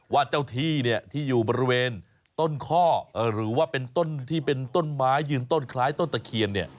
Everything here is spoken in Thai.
ว่าเจ้าที่เนี่ยที่อยู่บริเวณต้นข้อหรือว่าเป็นต้นที่เป็นต้นไม้ยืนต้นคล้ายต้นตะเคียนเนี่ย